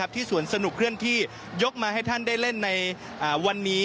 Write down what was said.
ที่สวนสนุกเคลื่อนที่ยกมาให้ท่านได้เล่นในวันนี้